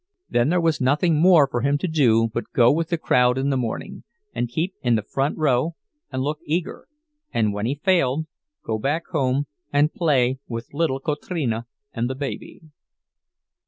Then there was nothing more for him to do but go with the crowd in the morning, and keep in the front row and look eager, and when he failed, go back home, and play with little Kotrina and the baby.